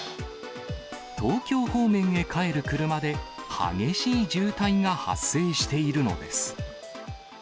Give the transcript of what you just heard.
東京方面へ帰る車で、激しい渋滞が発生しているのです。